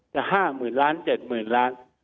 จะห้าหมื่นล้านเจ็ดหมื่นล้าน